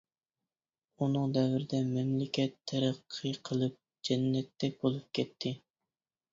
ئۇنىڭ دەۋرىدە مەملىكەت تەرەققىي قىلىپ جەننەتتەك بولۇپ كەتتى.